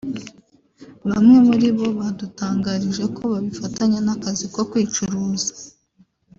bamwe muri bo badutangarije ko babifatanya n’akazi ko kwicuruza